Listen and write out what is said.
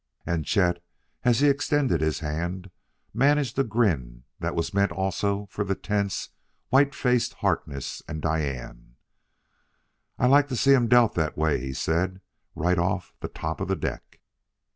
And Chet, as he extended his hand, managed a grin that was meant also for the tense, white faced Harkness and Diane. "I like to see 'em dealt that way," he said, " right off the top of the deck."